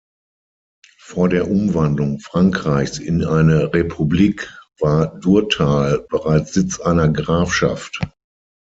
Vor der Umwandlung Frankreichs in eine Republik war Durtal bereits Sitz einer Grafschaft.